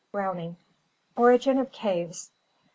Browning. Origin of Caves.